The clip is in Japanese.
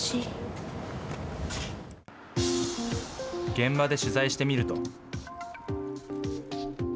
現場で取材してみると。